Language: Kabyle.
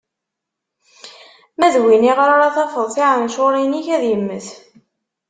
Ma d win iɣer ara tafeḍ tiɛencuṛin-ik, ad immet!